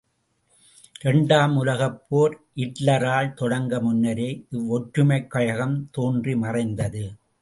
இரண்டாம் உலகப் போர் இட்லரால் தொடங்கு முன்னரே இவ்வொற்றுமைக் கழகம் தோன்றி மறைந்தது.